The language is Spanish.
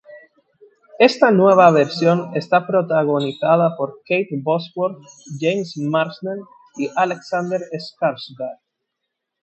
Esta nueva versión está protagonizada por Kate Bosworth, James Marsden y Alexander Skarsgård.